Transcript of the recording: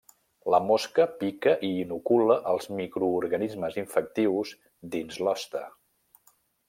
La mosca pica i inocula els microorganismes infectius dins l’hoste.